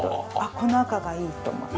この赤がいいと思って。